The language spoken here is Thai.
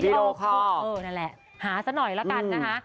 เออนั่นแหละหาสักหน่อยแล้วกันนะคะ